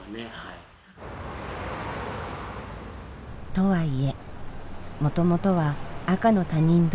とはいえもともとは赤の他人同士。